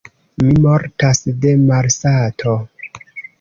Mi mortas de malsato!